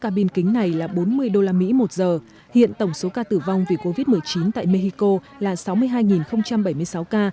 cabin kính này là bốn mươi usd một giờ hiện tổng số ca tử vong vì covid một mươi chín tại mexico là sáu mươi hai bảy mươi sáu ca